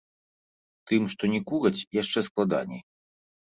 Тым, што не кураць, яшчэ складаней.